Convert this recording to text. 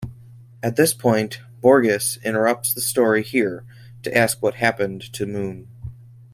At this point, Borges interrupts the story here to ask what happened to Moon.